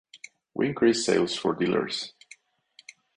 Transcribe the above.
We increase sales for dealers